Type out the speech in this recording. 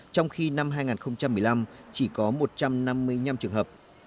trong khi năm hai nghìn một mươi năm chỉ có một trăm năm mươi năm trường hợp